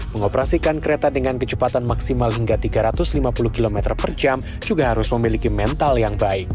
mengoperasikan kereta dengan kecepatan maksimal hingga tiga ratus lima puluh km per jam juga harus memiliki mental yang baik